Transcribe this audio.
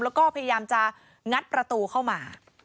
แล้วก็พยายามจะงัดประตูเข้ามา